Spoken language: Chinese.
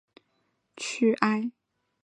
勒布斯屈埃。